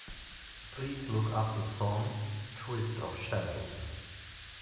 Please look up the song, Twist of shadows.